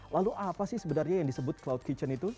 lalu apa sih sebenarnya yang disebut cloud kitchen itu